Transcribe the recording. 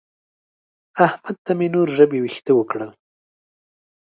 احمد ته مې نور ژبې وېښته وکړل.